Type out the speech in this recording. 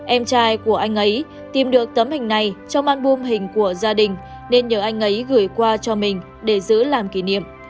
em trai của anh ấy tìm được tấm hình này cho manbum hình của gia đình nên nhờ anh ấy gửi qua cho mình để giữ làm kỷ niệm